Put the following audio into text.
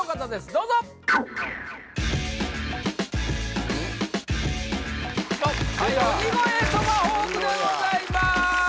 どうぞ鬼越トマホークでございまーす